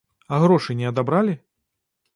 А грошы не адабралі?